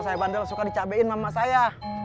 kalau saya bandel suka dicabekin mama saya